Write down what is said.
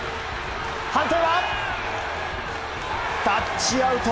判定はタッチアウト！